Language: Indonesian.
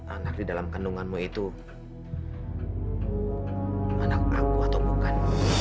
anak di dalam kandunganmu itu anak aku atau bukan